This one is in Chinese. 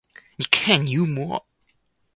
你看牛魔？